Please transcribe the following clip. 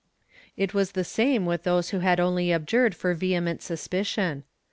It was the same with those who had only abjured for vehement suspicion.